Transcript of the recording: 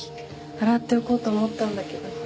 洗っておこうと思ったんだけど。